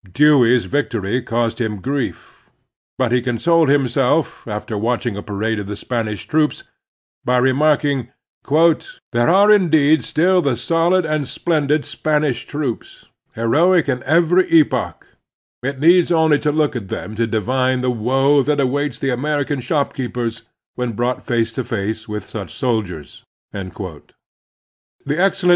Dewey's victory caused him grief ; but he consoled himself, after watching a parade of the Spanish troops, by remarking: "They are indeed still the solid and splendid Spanish troops, heroic in every epoch — ^it needs only to look at them to divine the woe that awaits the American shopkeepers when brought face to face with such soldiers." The excellent M.